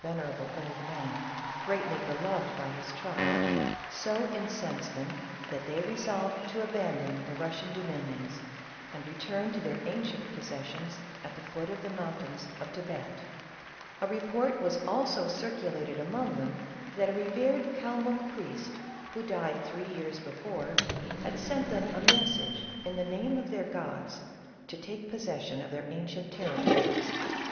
ven erable old man, greatly beloved by his tribe, so in censed them that they resolved to abandon the Eus gian dominions and return to their ancient possessions at the foot of the mountains of Thibet. A report was also circulated among them that a revered Calmuck priest, who died three years before, had sent them a message in the name of their gods to take possession of their ancient territories.